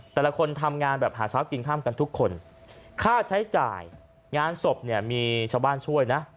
แต่ละคนทำงานแบบหาเช้ากินค่ำกันทุกคนค่าใช้จ่ายงานศพเนี่ยมีชาวบ้านช่วยนะ